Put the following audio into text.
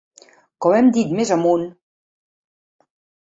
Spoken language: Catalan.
Com hem dit més amunt...